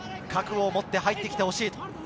覚悟を持って入ってきてほしい。